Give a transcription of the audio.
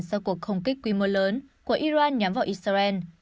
sau cuộc khổng kích quy mô lớn của iran nhắm vào israel